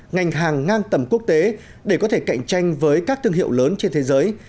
ngành hàng ngang tầm quốc tế để có thể cạnh tranh với các thương hiệu lớn trên thế giới